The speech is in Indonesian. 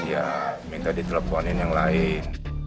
ya minta diteleponin yang lain